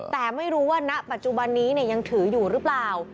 แต่ไม่รู้ว่าณปัจจุบันนี้ยังถืออยู่หรือเปล่า